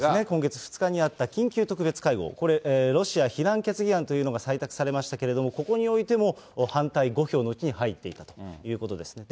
今月２日にあった緊急特別会合、これ、ロシア非難決議案というのが採択されましたけれども、ここにおいても、反対５票のうちに入っているということです。